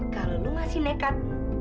kalau lu masih nekat